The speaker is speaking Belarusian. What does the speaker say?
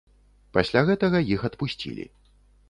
Пасля гэтага іх адпусцілі.